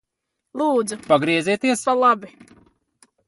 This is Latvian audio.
Lūdzu pagriezieties pa labi.